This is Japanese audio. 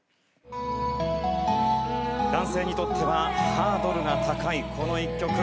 男性にとってはハードルが高いこの一曲。